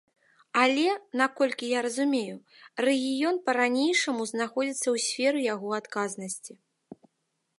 Але, наколькі я разумею, рэгіён, па-ранейшаму знаходзіцца ў сферы яго адказнасці.